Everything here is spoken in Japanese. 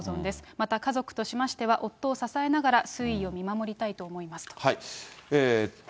また、家族としましては、夫を支えながら、推移を見守りたいと思いますと。